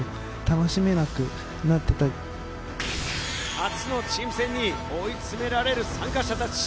初のチーム戦に追い詰められる参加者たち。